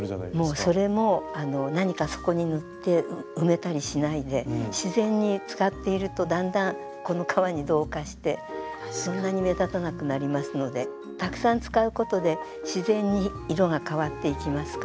もうそれも何かそこに塗って埋めたりしないで自然に使っているとだんだんこの革に同化してそんなに目立たなくなりますのでたくさん使うことで自然に色が変わっていきますから。